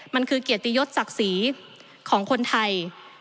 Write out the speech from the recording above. มันคือเกียรติยศศักดิ์ศรีของคนไทย